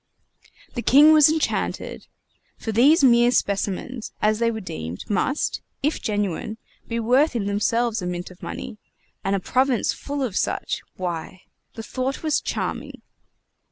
The king was enchanted; for these mere specimens, as they were deemed, must, if genuine, be worth in themselves a mint of money; and a province full of such why, the thought was charming!